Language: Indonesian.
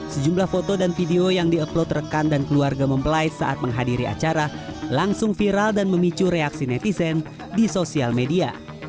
sejumlah foto dan video yang di upload rekan dan keluarga mempelai saat menghadiri acara langsung viral dan memicu reaksi netizen di sosial media